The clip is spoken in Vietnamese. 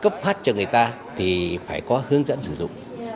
cấp phát cho người ta thì phải có hướng dẫn sử dụng